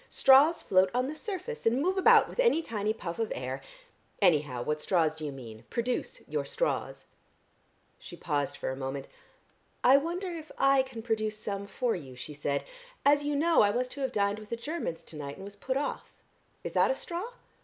"Straws float on the surface, and move about with any tiny puff of air. Anyhow, what straws do you mean? Produce your straws." She paused a moment. "I wonder if I can produce some for you," she said. "As you know, I was to have dined with the Germans to night and was put off. Is that a straw?